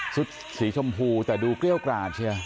สีชมพูแต่ดูเกรี้ยวกราดเชียว